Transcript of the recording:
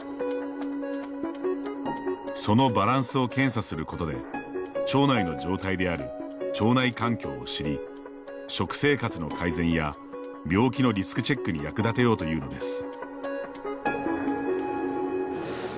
そのバランスを検査することで腸内の状態である腸内環境を知り食生活の改善や病気のリスクチェックに役立てようというのです。